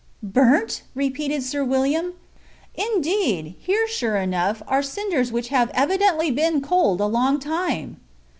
"Burnt?" repeated Sir William. "Indeed, here sure enough are cinders which have evidently been cold a long time!"